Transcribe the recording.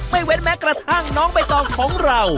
เว้นแม้กระทั่งน้องใบตองของเรา